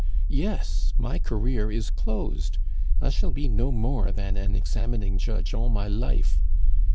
"Yes, my career is closed. I shall be no more than an examining judge all my life.